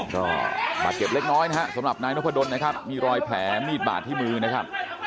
ก็บาดเจ็บเล็กน้อยนะฮะสำหรับนายนพดลนะครับมีรอยแผลมีดบาดที่มือนะครับ